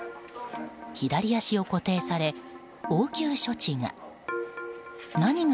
左足を固定され応急処置が。